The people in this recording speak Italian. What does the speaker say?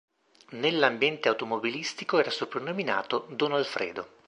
Nell'ambiente automobilistico era soprannominato "Don Alfredo".